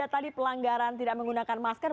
tadi pelanggaran tidak menggunakan masker